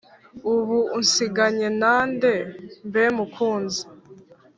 ubu unsiganyena nde? mbe mukunzi!